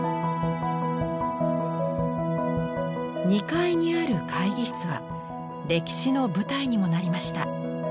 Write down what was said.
２階にある会議室は歴史の舞台にもなりました。